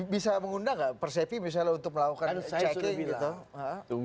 bisa mengundang gak persepi misalnya untuk melakukan check in gitu